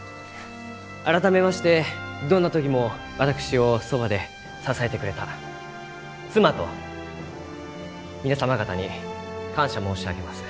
改めましてどんな時も私をそばで支えてくれた妻と皆様方に感謝申し上げます。